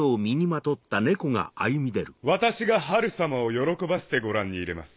私がハル様を喜ばせてごらんにいれます。